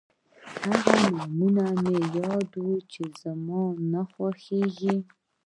هغه نومونه مه یادوه چې زما نه خوښېږي.